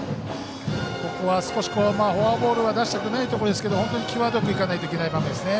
フォアボールは出したくないところですが本当に、際どくいかないといけない場面ですね。